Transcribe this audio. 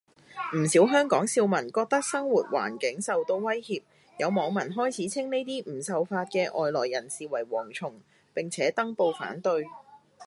唔少香港少民覺得生活環境受到威脅，有網民開始稱呢啲唔受法嘅外來人士為蝗蟲，並且登報反對